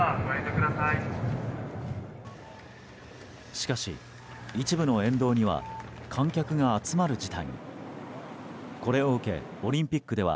しかし、一部の沿道には観客が集まる事態も。